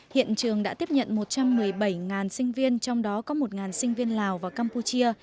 hiện trường đã tiếp nhận một trăm một mươi bảy sinh viên trong đó có một sinh viên lào và campuchia